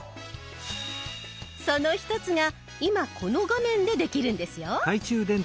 その一つが今この画面でできるんですよ。